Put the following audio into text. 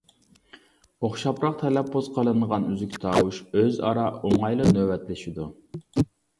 ئوخشاپراق تەلەپپۇز قىلىنىدىغان ئۈزۈك تاۋۇش ئۆز ئارا ئوڭايلا نۆۋەتلىشىدۇ.